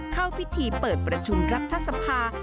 เข้าพิธีเปิดประชุมรัฐสภา